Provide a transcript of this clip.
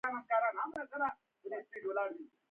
د حاصلاتو ذخیره کول د راتلونکي لپاره حیاتي دي.